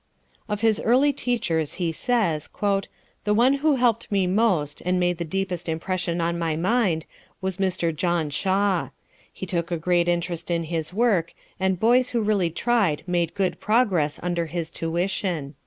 Of his early teachers he says: "The one who helped me most, and made the deepest impression on my mind, was Mr. John Shaw. He took a great interest in his work, and boys who really tried made good progress under his tuition."